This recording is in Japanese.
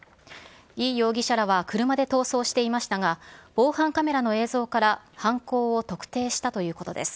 伊容疑者らは車で逃走していましたが、防犯カメラの映像から犯行を特定したということです。